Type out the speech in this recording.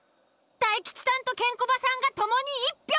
大吉さんとケンコバさんがともに１票。